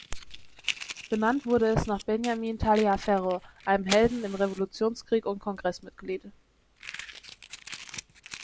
Benannt wurde es nach Benjamin Taliaferro, einem Helden im Revolutionskrieg und Kongress-Mitglied.